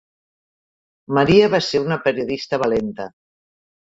Maria va ser una periodista valenta.